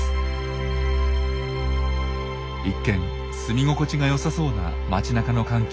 一見住み心地がよさそうな街なかの環境。